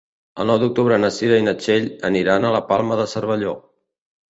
El nou d'octubre na Cira i na Txell aniran a la Palma de Cervelló.